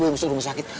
baru masuk rumah sakit